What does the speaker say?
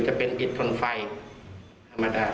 จะเป็นอิดทนไฟธรรมดา